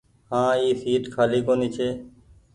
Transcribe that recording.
هآن اي سيٽ کآلي ڪونيٚ ڇي۔